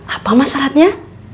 apa mak syaratnya